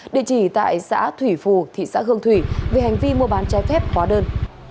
địa chỉ tại xã thủy phù thị xã hương thủy về hành vi mua bán trái phép hóa đơn